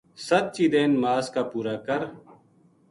ست چیدین ماس کا پورا کر